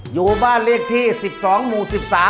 อยู่บ้านเลขที่๑๒หมู่๑๓